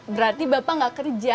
berarti bapak gak kerja